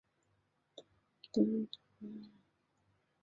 鲫碘泡虫为碘泡科碘泡虫属的动物。